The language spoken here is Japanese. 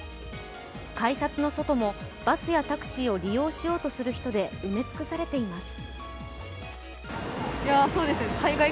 改札の外もバスやタクシーを利用しようとする人で埋め尽くされています。